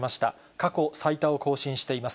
過去最多を更新しています。